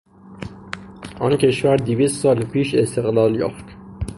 آن کشور دویست سال پیش استقلال یافت.